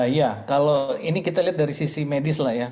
iya kalau ini kita lihat dari sisi medis lah ya